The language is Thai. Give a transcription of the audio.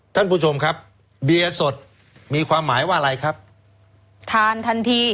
ท่านผู้ชมครับเบียร์สดมีความหมายว่าอะไรครับทานทันที